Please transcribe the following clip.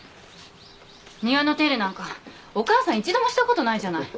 庭の手入れなんかお母さん一度もしたことないじゃない。